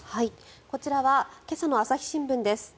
こちらは今朝の朝日新聞です。